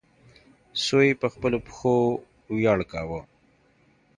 سوی په خپلو پښو ویاړ کاوه.